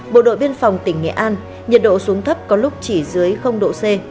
bộ đội biên phòng tỉnh nghệ an nhiệt độ xuống thấp có lúc chỉ dưới độ c